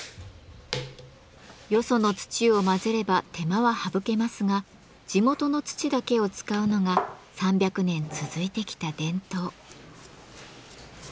よその土を混ぜれば手間は省けますが地元の土だけを使うのが３００年続いてきた伝統。